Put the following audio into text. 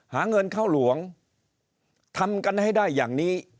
หาเงินเข้าหลวงทำกันให้ได้อย่างนี้